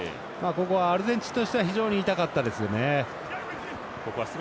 アルゼンチンとしては非常に痛かったですよね。